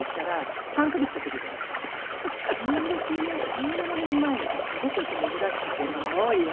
１７年前だとすごくやっぱり珍しくてまだ男性で。